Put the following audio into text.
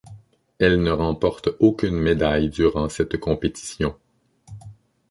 Elle ne remporte aucune médaille durant cette compétition.